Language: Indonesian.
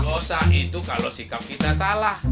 dosa itu kalau sikap kita salah